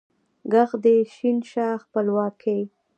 ږغ د ې شین شه خپلواکۍ